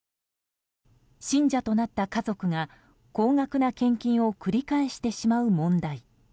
信者となった家族が高額な献金を繰り返してしまう問題。